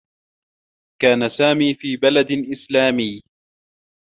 كان سامي في بلد إسلامي.